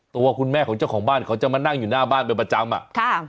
ตัวคุณแม่ของเจ้าของบ้านเขาจะมานั่งอยู่หน้าบ้านเป็นประจำอ่ะค่ะ